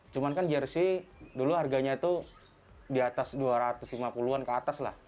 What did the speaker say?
cuman kan jersey dulu harganya itu di atas dua ratus lima puluh an ke atas lah